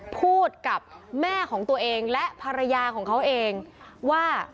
พูดกับแม่ของตัวเองและภรรยาของเขาเองว่า